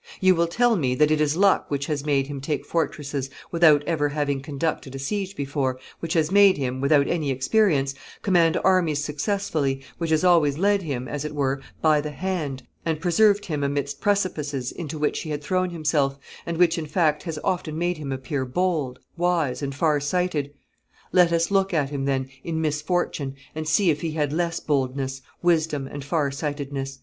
... You will tell me, that it is luck which has made him take fortresses without ever having conducted a siege before, which has made him, without any experience, command armies successfully, which has always led him, as it were, by the hand, and preserved him amidst precipices into which he had thrown himself, and which, in fact, has often made him appear bold, wise, and far sighted: let us look at him, then, in misfortune, and see if he had less boldness, wisdom, and far sightedness.